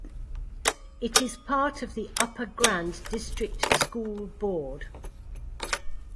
It is part of the Upper Grand District School Board.